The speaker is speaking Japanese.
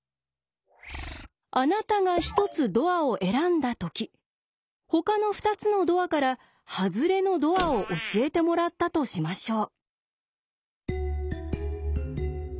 あなたが１つドアを選んだときほかの２つのドアからハズレのドアを教えてもらったとしましょう。